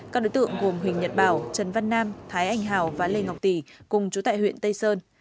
các đối tượng gồm huỳnh nhật bảo trần văn nam thái anh hào và lê ngọc tỷ cùng chú tại huyện tây sơn